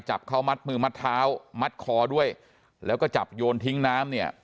จับเขามัดมือมัดเท้ามัดคอด้วยแล้วก็จับโยนทิ้งน้ำเนี่ย